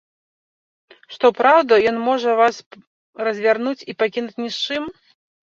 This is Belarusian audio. Што праўда, ён можа вас развярнуць і пакінуць ні з чым.